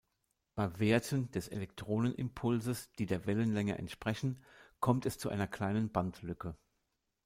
Bei Werten des Elektronen-Impulses, die der Wellenlänge entsprechen, kommt es zu einer kleinen Bandlücke.